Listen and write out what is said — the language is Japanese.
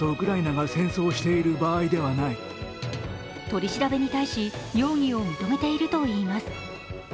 取り調べに対し、容疑を認めているといいます。